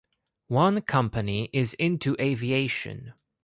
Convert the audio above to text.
One company is into aviation.